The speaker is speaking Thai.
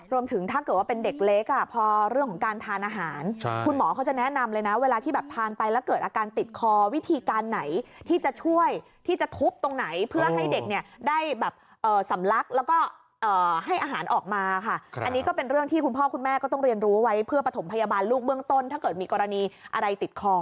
ถ้าเกิดว่าเป็นเด็กเล็กอ่ะพอเรื่องของการทานอาหารคุณหมอเขาจะแนะนำเลยนะเวลาที่แบบทานไปแล้วเกิดอาการติดคอวิธีการไหนที่จะช่วยที่จะทุบตรงไหนเพื่อให้เด็กเนี่ยได้แบบสำลักแล้วก็ให้อาหารออกมาค่ะอันนี้ก็เป็นเรื่องที่คุณพ่อคุณแม่ก็ต้องเรียนรู้ไว้เพื่อประถมพยาบาลลูกเบื้องต้นถ้าเกิดมีกรณีอะไรติดคอ